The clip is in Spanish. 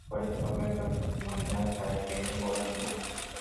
Por este papel fue nominada para el premio Golden Duck.